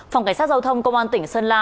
phòng cảnh sát giao thông công an tỉnh sơn la